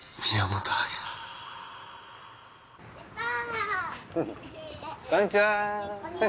こんにちは。